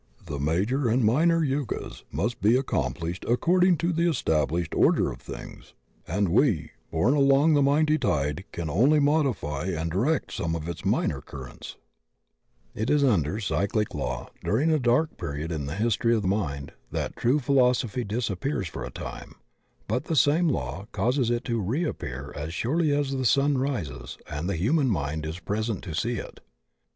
The major and minor yugas must be ac compUshed according to the established order of things. And we, borne along the mighty tide, can only modify and direct some of its minor currents."* *The Occult World. London, 1881. 6 THE OCEAN OF THEOSOPHY It is under cyclic law, during a dark period in the history of mind, that the true philosophy disappears for a time, but the same law causes it to reappear as surely as the sun rises and the human mind is present to see it.